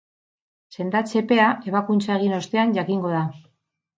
Sendatze-epea ebakuntza egin ostean jakingo da.